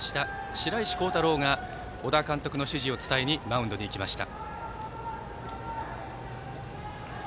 白石航太郎が小田監督の指示を伝えにマウンドに行きました。